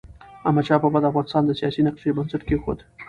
احمدشاه بابا د افغانستان د سیاسی نقشې بنسټ کيښود.